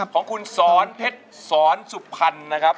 ของคุณสอนเพชรสอนสุพรรณนะครับ